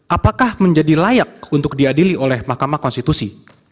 apakah menjadi layak untuk diadili oleh mahkamah konstitusi